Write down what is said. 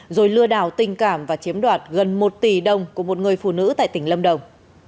rồi lừa đảo tình cảm và chiếm đoạt gần một tỷ đồng của một người phụ nữ tại tỉnh lâm đồng